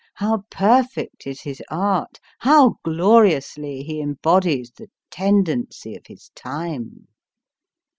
how perfect is his art ! how gloriously he embodies the Tendencies of his Time